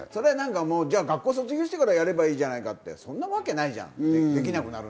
学校を卒業してからやればいいじゃないかって、そんなわけないじゃないか。